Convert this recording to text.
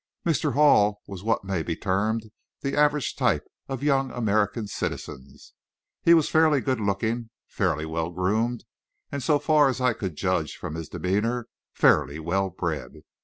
Mr. Hall was what may be termed the average type of young American citizens. He was fairly good looking, fairly well groomed, and so far as I could judge from his demeanor, fairly well bred.